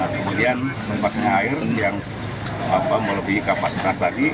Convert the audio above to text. kemudian menempatnya air yang melebihi kapasitas tadi